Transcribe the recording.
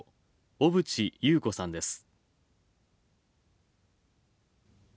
小渕優子さんです。